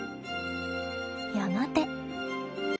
やがて。